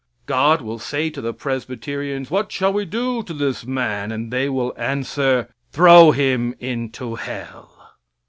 God will say to the Presbyterians, "What shall We do to this man?"; and they will answer, "Throw him into hell."